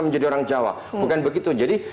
menjadi orang jawa bukan begitu jadi